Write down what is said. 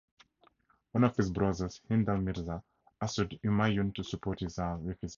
One of his brothers Hindal Mirza assured Humayun to support with his army.